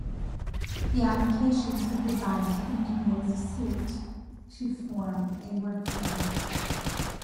The applications are designed to integrate as a suite, to form a workflow.